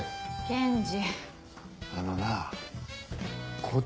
検事。